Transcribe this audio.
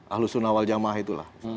ahlus sunna wal jamaah itulah